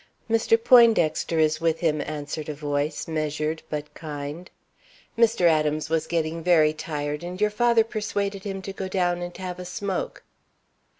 "Mr. Poindexter is with him," answered a voice, measured, but kind. "Mr. Adams was getting very tired, and your father persuaded him to go down and have a smoke."